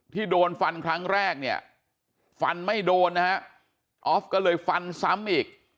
โดนฟันครั้งแรกเนี่ยฟันไม่โดนนะฮะออฟก็เลยฟันซ้ำอีก